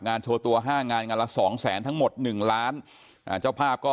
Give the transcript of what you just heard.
โชว์ตัวห้างานงานละสองแสนทั้งหมดหนึ่งล้านอ่าเจ้าภาพก็